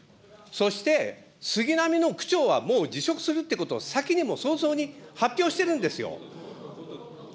そして、すぎなみの区長は、もう辞職するってことを先にもう早々に発表しているんですよ。